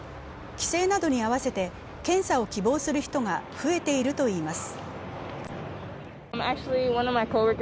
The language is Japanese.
帰省などに合わせて検査を希望する人が増えているといいます。